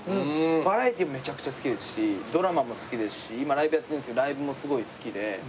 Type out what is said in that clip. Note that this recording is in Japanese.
バラエティもめちゃくちゃ好きですしドラマも好きですし今ライブやってるんですけどライブもすごい好きで。